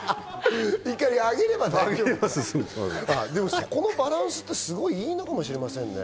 そこのバランスっていいのかもしれませんね。